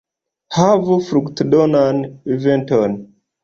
Havu fruktodonan eventon!